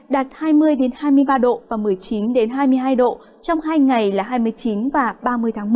đạt hai mươi đến hai mươi ba độ và một mươi chín đến hai mươi hai độ trong hai ngày là hai mươi chín và ba mươi tháng một